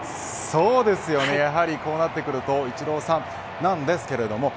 そうですよねやはり、こうなってくるとイチローさんなんですけれども。